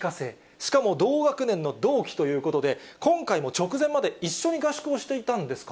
しかも同学年の同期ということで、今回も直前まで一緒に合宿をしていたんですか。